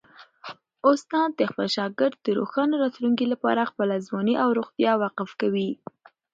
استاد د خپل شاګرد د روښانه راتلونکي لپاره خپله ځواني او روغتیا وقف کوي.